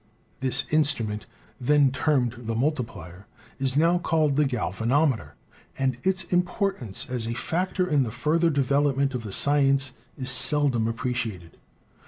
This instrument, then termed the multi plier, is now called the galvanometer, and its importance as a factor in the further development of the science is seldom appreciated.